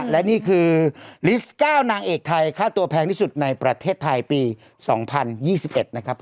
และนี่คือลิสต์๙นางเอกไทยค่าตัวแพงที่สุดในประเทศไทยปี๒๐๒๑นะครับ